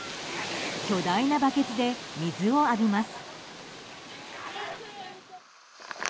巨大なバケツで水を浴びます。